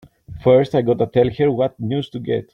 First I gotta tell her what news to get!